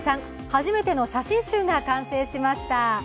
初めての写真集が完成しました。